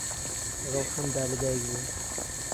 لەگەڵ خەمدا لە دایک بووم،